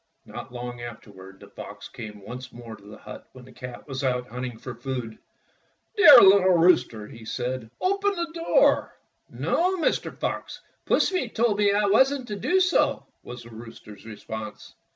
Not long afterward the fox came once more to the hut when the cat was out hunt ing for food. "Dear little rooster," he said, "open the door." "No, Mr. Fox, Pussy told me I wasn't to do so," was the rooster's response.